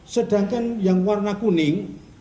sedangkan yang warna kuning